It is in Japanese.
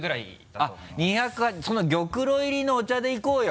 あっ２８０その玉露入りのお茶でいこうよ。